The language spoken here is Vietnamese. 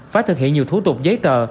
phải thực hiện nhiều thủ tục giấy tờ